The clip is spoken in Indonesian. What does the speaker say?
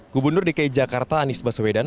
gubernur dki jakarta anies baswedan